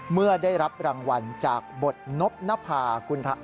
เมื่อได้รับรางวัลจากบทนบนภา